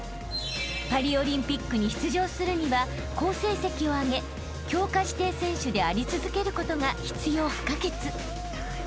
［パリオリンピックに出場するには好成績をあげ強化指定選手であり続けることが必要不可欠］